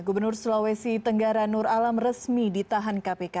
gubernur sulawesi tenggara nur alam resmi ditahan kpk